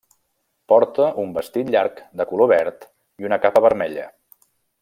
Porta un vestit llarg de color verd i una capa vermella.